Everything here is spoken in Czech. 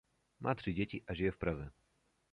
Má tři děti a žije v Praze.